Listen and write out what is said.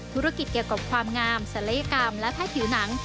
ธุรกิจเกี่ยวกับความงามศัลยกรรมและผ้าผิวหนัง